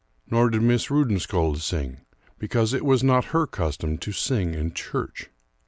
Nor did Miss Rudensköld sing, because it was not her custom to sing in church.